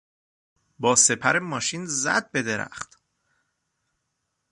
با سپر ماشین زد به درخت.